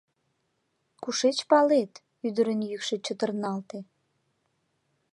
— Кушеч палет? — ӱдырын йӱкшӧ чытырналте.